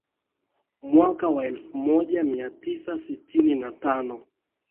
Mwaka wa elfu moja mia tisa sitini na tano